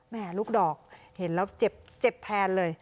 แม่ลูกดอกเห็นแล้วเจ็บแทนเลย